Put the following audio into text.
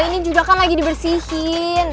ini juga kan lagi dibersihin